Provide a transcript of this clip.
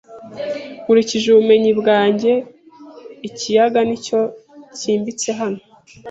Nkurikije ubumenyi bwanjye, ikiyaga nicyo cyimbitse hano.